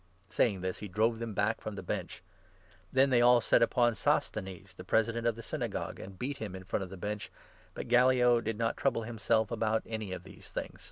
Saying this, he drove them back from the Bench. Then 16, they all set upon Sosthenes, the President of the Synagogue, and beat him in front of the Bench, but Gallio did not trouble himself about any of these things.